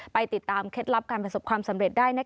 ไปติดตามเคล็ดลับการประสบความสำเร็จได้